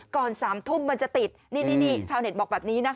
๓ทุ่มมันจะติดนี่ชาวเน็ตบอกแบบนี้นะคะ